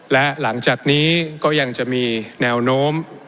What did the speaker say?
และหลังจากนี้ก็ยังจะมีแนวโน้ม